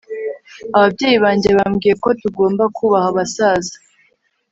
ababyeyi banjye bambwiye ko tugomba kubaha abasaza